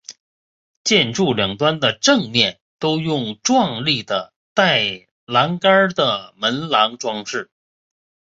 建筑两端的正面都用壮丽的带栏杆的门廊装饰。